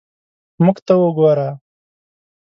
موږ ته وګوره.